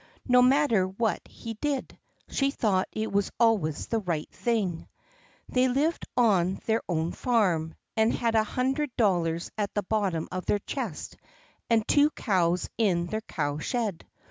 No matter what he did, she thought it was always the right thing. They lived on their own farm, and had a hundred dollars at the bottom of their chest and two cows in their cow shed.